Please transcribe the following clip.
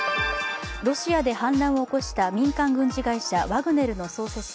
ロシアで反乱を起こした民間軍人会社ワグネルの創設者